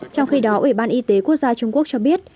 trong khi đó ủy ban y tế quốc gia trung quốc cho biết